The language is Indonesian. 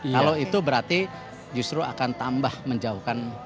kalau itu berarti justru akan tambah menjauhkan